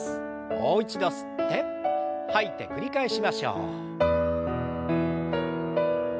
もう一度吸って吐いて繰り返しましょう。